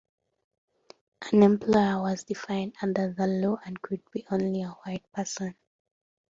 An employer was defined under the law and could be only a white person.